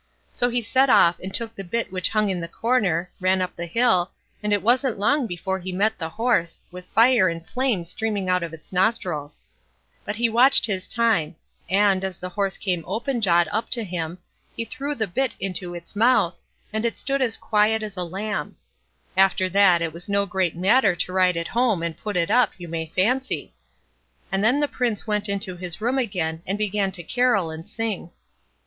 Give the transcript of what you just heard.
So he set off, and took the bit which hung in the corner, ran up the hill, and it wasn't long before he met the horse, with fire and flame streaming out of its nostrils. But he watched his time, and, as the horse came open jawed up to him, he threw the bit into its mouth, and it stood as quiet as a lamb. After that, it was no great matter to ride it home and put it up, you may fancy; and then the Prince went into his room again, and began to carol and sing.